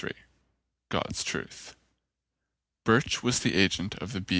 89 XXIII GOD'S TRUTH BIRCH was the agent of the B.